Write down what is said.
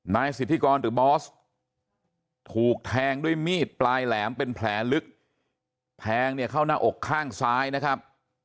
นายสิทธิกรหรือบอสถูกแทงด้วยมีดปลายแหลมเป็นแผลลึกแทงเนี่ยเข้าหน้าอกข้างซ้ายนะครับ